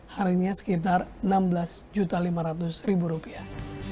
harganya sekitar enam belas lima ratus rupiah